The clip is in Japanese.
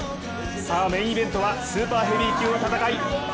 さあ、メインイベントはスーパーヘビー級の戦い。